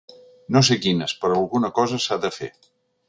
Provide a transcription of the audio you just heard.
No sé quines, però alguna cosa s’ha de fer.